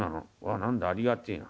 何だありがてえな。